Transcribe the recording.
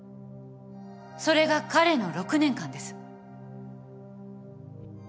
それが彼の６年間です。